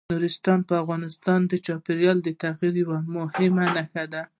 نورستان په افغانستان کې د چاپېریال د تغیر یوه مهمه نښه ده.